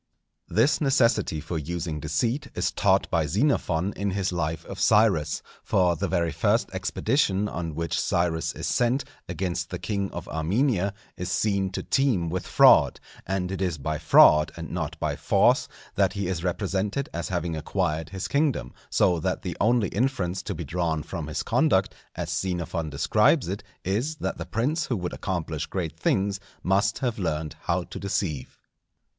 This necessity for using deceit is taught by Xenophon in his life of Cyrus; for the very first expedition on which Cyrus is sent, against the King of Armenia, is seen to teem with fraud; and it is by fraud, and not by force, that he is represented as having acquired his kingdom; so that the only inference to be drawn from his conduct, as Xenophon describes it, is, that the prince who would accomplish great things must have learned how to deceive.